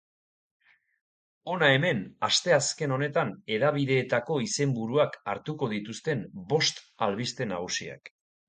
Hona hemen, asteazken honetan hedabideetako izenburuak hartuko dituzten bost albiste nagusiak.